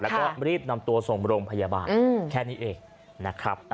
แล้วก็รีบนำตัวส่งโรงพยาบาลแค่นี้เองนะครับ